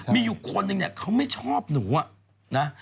มีอยู่คนนึงเนี่ยเขาไม่ชอบหนูอะนะ